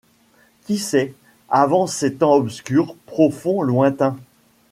Qui sait ? avant ces temps obscurs, profonds, lointains